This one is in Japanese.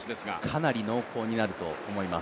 かなり濃厚になると思います。